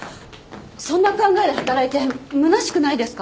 そんな考えで働いてむなしくないですか？